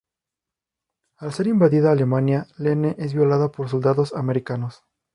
Al ser invadida Alemania, Lene es violada por soldados americanos.